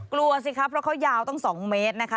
กลัวสิครับเพราะเขายาวตั้ง๒เมตรนะคะ